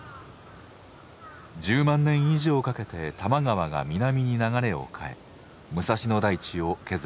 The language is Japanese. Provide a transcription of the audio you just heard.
１０万年以上かけて玉川が南に流れを変え武蔵野台地を削りました。